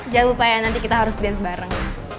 jangan lupa ya nanti kita harus lihat bareng